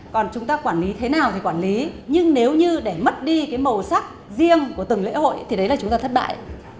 còn chúng ta quản lý thế nào thì quản lý nhưng nếu như để mất đi cái màu sắc riêng của từng lễ hội thì đấy là chúng ta thất bại